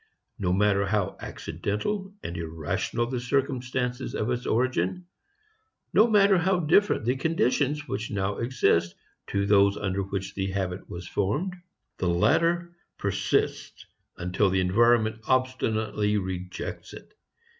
No matter how accidental and irrational the circumstances of its origin, no matter how different the conditions which now exist to those under which the habit was formed, the latter persists until the environment obstinately rejects it.